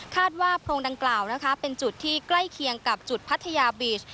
คาดว่าโพรงตันกราวเป็นกลไกลเกี่ยงจุดพัทยาบีช